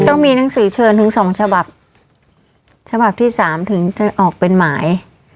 ต้องมีหนังสือเชิญถึงสองฉบับฉบับที่สามถึงจะออกเป็นหมาย